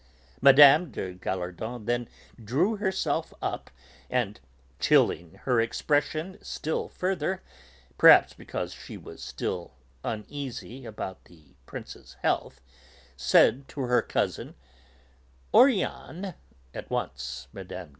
Mme. de Gallardon then drew herself up and, chilling her expression still further, perhaps because she was still uneasy about the Prince's health, said to her cousin: "Oriane," (at once Mme.